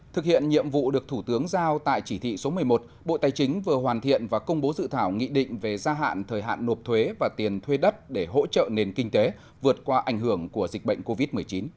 thực hiện nhiệm vụ được thủ tướng giao tại chỉ thị số một mươi một bộ tài chính vừa hoàn thiện và công bố dự thảo nghị định về gia hạn thời hạn nộp thuế và tiền thuê đất để hỗ trợ nền kinh tế vượt qua ảnh hưởng của dịch bệnh covid một mươi chín